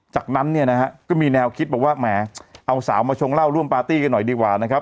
จากนั้นก็มีแนวคิดว่าเอาสาวมาชงเล่าร่วมปาร์ตี้กันหน่อยดีกว่านะครับ